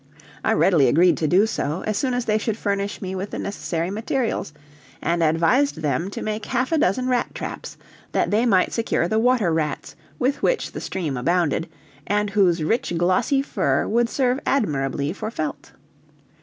I readily agreed to do so, as soon as they should furnish me with the necessary materials, and advised them to make half a dozen rat traps, that they might secure the water rats with which the stream abounded, and whose rich glossy fur would serve admirably for felt.